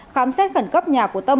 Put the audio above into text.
khám xét khẩn cấp nhà của tâm